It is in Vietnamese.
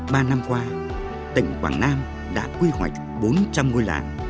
ba năm qua tỉnh quảng nam đã quy hoạch bốn trăm linh ngôi làng